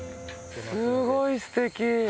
すごいすてき。